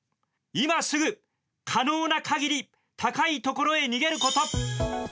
今すぐ可能なかぎり高いところへ逃げること！